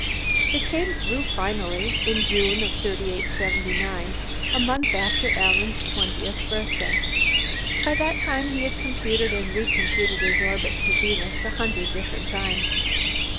It came through, finally, in June of 3879, a month after Alan's twentieth birthday. By that time he had computed and recomputed his orbit to Venus a hundred different times.